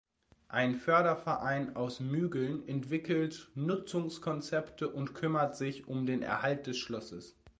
Ein Förderverein aus Mügeln entwickelt Nutzungskonzepte und kümmert sich um den Erhalt des Schlosses.